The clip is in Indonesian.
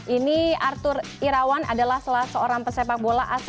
ini arthur irawan adalah salah seorang pesepak bola